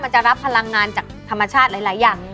จะรับพลังงานจากธรรมชาติหลายอย่าง